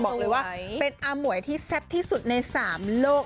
บอกเลยว่าเป็นอาหมวยที่แซ่บที่สุดใน๓โลก